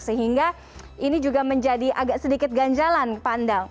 sehingga ini juga menjadi agak sedikit ganjalan pak andal